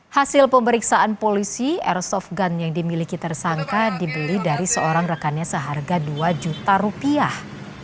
hasil pemeriksaan polisi airsoft gun yang dimiliki tersangka dibeli dari seorang rekannya seharga dua juta rupiah